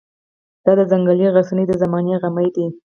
دا د ځنګلي غرڅنۍ د زمانې غمی دی.